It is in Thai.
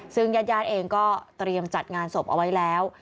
ซึ่งญาติญาติเองก็เตรียมจัดงานศพเอาไว้แล้ว